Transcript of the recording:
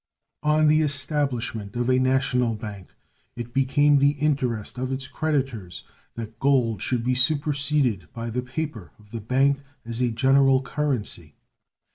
On the establishment of a national bank it became the interest of its creditors that gold should be superseded by the paper of the bank as a general currency.